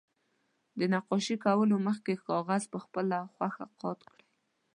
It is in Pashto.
له نقاشي کولو مخکې کاغذ په خپله خوښه قات کړئ.